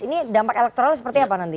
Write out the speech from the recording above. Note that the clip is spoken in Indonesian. ini dampak elektoral seperti apa nanti